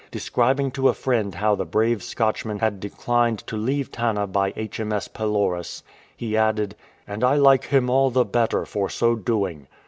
Describing to a friend how the brave Scotchman had declined to leave Tanna by H.M.S. Pelorus^ he added, "And I like him all the better for so doing.